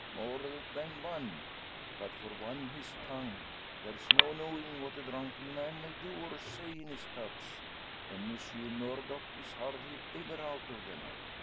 "More than one; but for one, his tongue. There's no knowing what a drunken man may do or say in his cups; and Monsieur Murdock is hardly ever out of them.